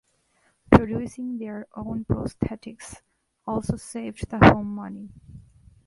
Producing their own prosthetics also saved the home money.